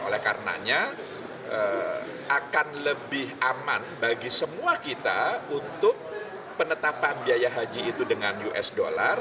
oleh karenanya akan lebih aman bagi semua kita untuk penetapan biaya haji itu dengan usd